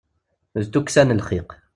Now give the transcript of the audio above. D tukksa n lxiq.